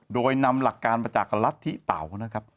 โดยนำหลักการมาจากรัฐธิเต่านะครับ